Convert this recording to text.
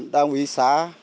đang quý xã